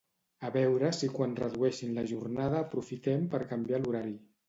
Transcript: A veure si quan redueixin la jornada aprofitem per canviar l'horari